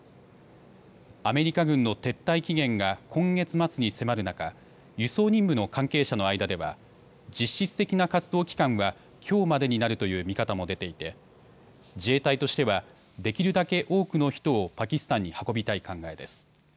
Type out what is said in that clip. アメリカ軍の撤退期限が今月末に迫る中輸送任務の関係者の間では実質的な活動期間はきょうまでになるという見方も出ていて自衛隊としてはできるだけ多くの人をパキスタンに運びたい考えです。